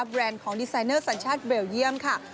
แรนด์ของดีไซเนอร์สัญชาติเบลเยี่ยมค่ะ